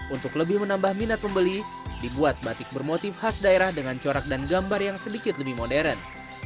untuk lebih menambah minat pembeli dibuat batik bermotif khas daerah dengan corak dan gambar yang sedikit lebih modern